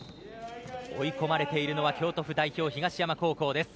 追い込まれているのは京都府代表東山高校です。